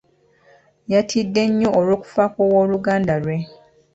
Yatidde nnyo olw'okufa kw'owooluganda lwe.